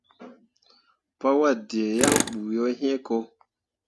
Paa waddǝǝ yaŋ bu yo hĩĩ ko.